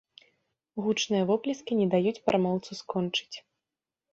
Гучныя воплескі не даюць прамоўцу скончыць.